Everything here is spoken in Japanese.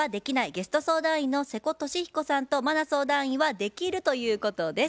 ゲスト相談員の瀬古利彦さんと茉奈相談員は「できる」ということです。